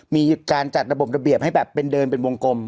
มีการจัดระบบระเบียบให้แบบเป็นเดินเป็นวงกลม